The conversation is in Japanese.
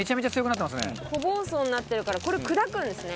仲：個包装になってるからこれを砕くんですね。